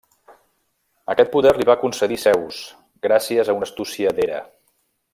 Aquest poder li va concedir Zeus gràcies a una astúcia d'Hera.